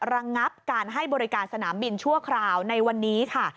ระงับการให้บริการสนามบินชั่วคราวในวันนี้ค่ะ